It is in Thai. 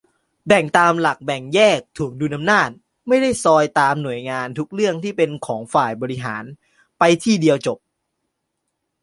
แบ่งตามหลักแบ่งแยก-ถ่วงดุลอำนาจ ไม่ได้ซอยตามหน่วยงาน ทุกเรื่องที่เป็นของฝ่ายบริหาร ไป ที่เดียวจบ